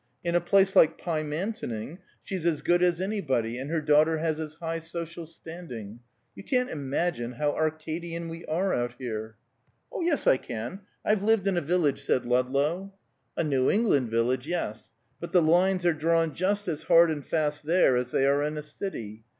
In a place like Pymantoning, she's 'as good as anybody,' and her daughter has as high social standing. You can't imagine how Arcadian we are out here." "Oh, yes, I can; I've lived in a village," said Ludlow. "A New England village, yes; but the lines are drawn just as hard and fast there as they are in a city.